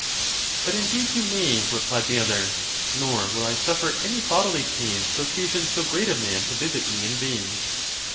" But indeed you may," ON BEARING PAIN. 89 replied the other, "nor will I suffer any bodily pain to oc casion so great a man to visit me in vain."